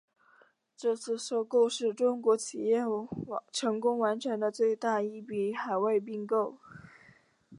这次收购是中国企业成功完成的最大一笔海外并购。